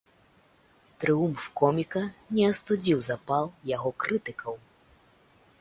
Трыумф коміка не астудзіў запал яго крытыкаў.